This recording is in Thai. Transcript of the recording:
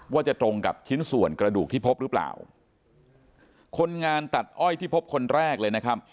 ว่าจะตรงกับชิ้นส่วนกระดูกที่พบหรือเปล่าคนงานตัดอ้อยที่พบคนแรกเลยนะครับ